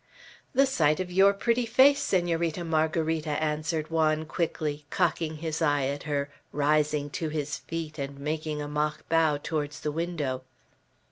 "The sight of your pretty face, Senorita Margarita," answered Juan quickly, cocking his eye at her, rising to his feet, and making a mock bow towards the window.